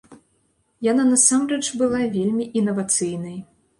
Яна насамрэч была вельмі інавацыйнай.